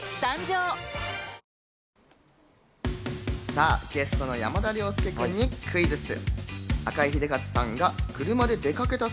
さぁ、ゲストの山田涼介君にクイズッス！